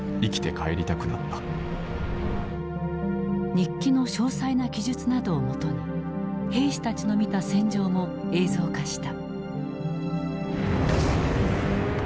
日記の詳細な記述などをもとに兵士たちの見た戦場も映像化した。